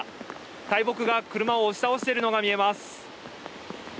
大木が車を押し倒しているのが見えます。